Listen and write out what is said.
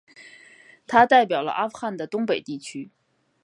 他代表了阿富汗的东北地区。